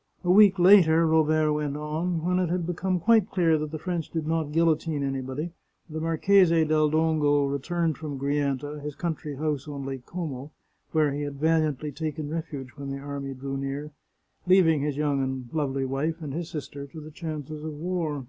" A week later," Robert went on, " when it had become quite clear that the French did not guillotine anybody, the Marchese del Dongo returned from Grianta, his country house on Lake Como, where he had valiantly taken refuge when the army drew near, leaving his young and lovely wife and his sister to the chances of war.